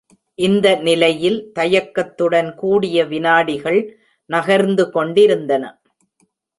இந்த நிலையில் தயக்கத்துடன் கூடிய விநாடிகள் நகர்ந்து கொண்டிருந்தன.